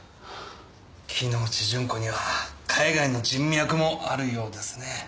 木之内順子には海外の人脈もあるようですね。